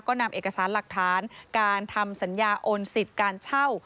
ก็นำเอกสารหลักฐานการทำสัญญาโอนสิทธิ์การเช่า